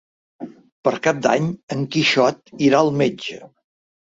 Per Cap d'Any en Quixot irà al metge.